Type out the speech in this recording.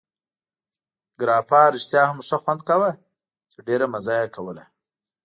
ګراپا رښتیا هم ښه خوند کاوه، چې ډېره مزه یې کوله.